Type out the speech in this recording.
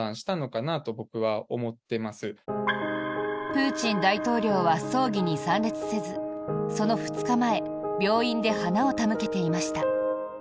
プーチン大統領は葬儀に参列せずその２日前病院で花を手向けていました。